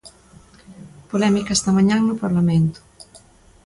Polémica esta mañá no Parlamento.